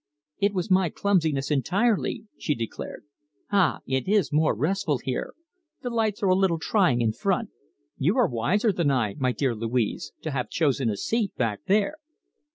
"It was my clumsiness entirely," she declared. "Ah! it is more restful here. The lights are a little trying in front. You are wiser than I, my dear Louise, to have chosen a seat back there."